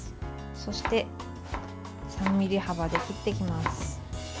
そして３ｍｍ幅で切っていきます。